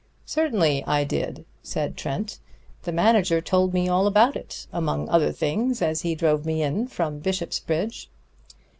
"Certainly I did," said Trent. "The manager told me all about it, among other things, as he drove me in from Bishopsbridge."